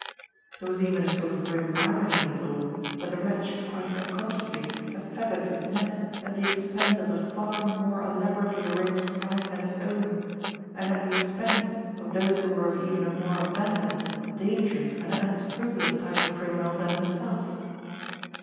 There was even a sort of grim irony in it all that the Rat should quite unconsciously have feathered his nest at the expense of a far more elaborately arranged crime than his own, and at the expense of those who were of even a more abandoned, dangerous and unscrupulous type of criminal than himself!